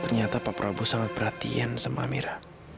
ternyata pak prabu sangat berhatiin sama amira